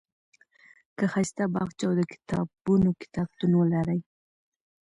که ښایسته باغچه او د کتابونو کتابتون ولرئ.